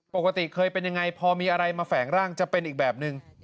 ปกติเคยเป็นยังไงพอมีอะไรมาแฝงร่างจะเป็นอีกแบบนึง